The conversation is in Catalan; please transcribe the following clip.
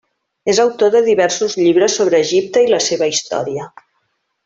És autor de diversos llibres sobre Egipte i la seva història.